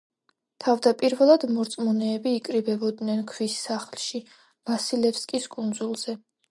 თავდაპირველად მორწმუნეები იკრიბებოდნენ ქვის სახლში ვასილევსკის კუნძულზე.